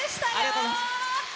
ありがとうございます。